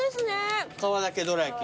皮だけどら焼き。